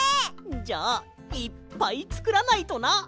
じゃあいっぱいつくらないとな。